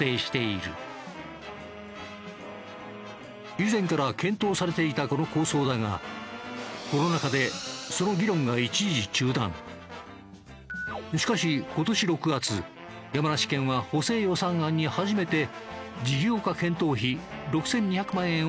以前から検討されていたこの構想だがしかし今年６月山梨県は補正予算案に初めて事業化検討費６２００万円を計上。